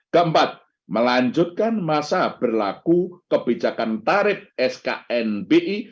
keempat melanjutkan masa berlaku kebijakan tarif sknbi